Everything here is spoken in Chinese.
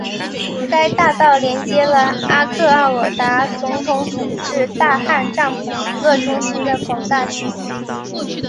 该大道连接了阿克奥尔达总统府至大汗帐篷娱乐中心的广大区域。